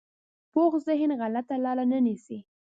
پوخ ذهن غلطه لاره نه نیسي